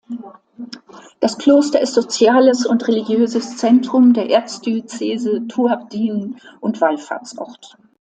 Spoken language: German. Das Kloster ist soziales und religiöses Zentrum der Erzdiözese Tur Abdin und Wallfahrtsort.